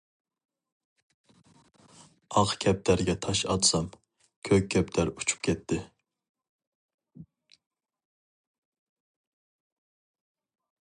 ئاق كەپتەرگە تاش ئاتسام، كۆك كەپتەر ئۇچۇپ كەتتى.